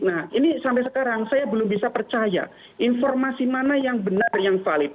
nah ini sampai sekarang saya belum bisa percaya informasi mana yang benar yang valid